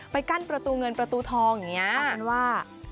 ไปกั้นประตูเงินประตูทองอย่างนี้